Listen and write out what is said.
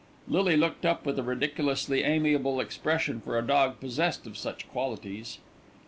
Lily looked up with a ridiculously amiable expression for a dog possessed of such qualities.